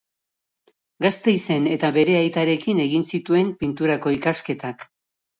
Gasteizen eta bere aitarekin egin zituen Pinturako ikasketak.